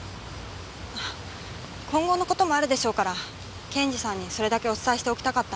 今後の事もあるでしょうから検事さんにそれだけお伝えしておきたかったんです。